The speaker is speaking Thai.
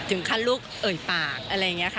ลูกเอ่ยปากอะไรอย่างนี้ค่ะ